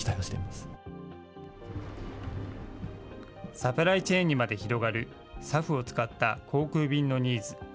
サプライチェーンにまで広がる、ＳＡＦを使った航空便のニーズ。